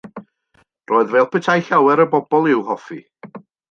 Roedd fel petai llawer o bobl i'w hoffi.